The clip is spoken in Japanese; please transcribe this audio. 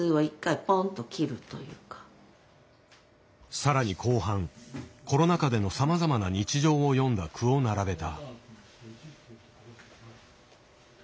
さらに後半コロナ禍でのさまざまな日常を詠んだ句を並べた。